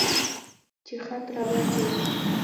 چې خط را واچوي.